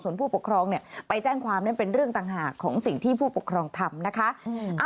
ส่วนผู้ปกครองไปแจ้งความนั้นเป็นเรื่องต่างหากของสิ่งที่ผู้ปกครองทำนะคะ